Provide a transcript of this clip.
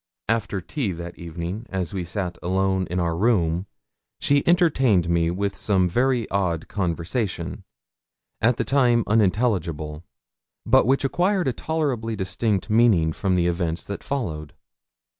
After tea that evening, as we sat alone in our room, she entertained me with some very odd conversation at the time unintelligible but which acquired a tolerably distinct meaning from the events that followed.